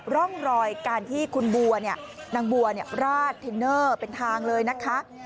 ร่องรอยการที่คุณบัวนางบัวราดเทนเนอร์เป็นทางเลยนะคะ